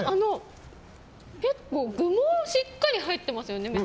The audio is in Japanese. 結構、具もしっかり入ってますよね。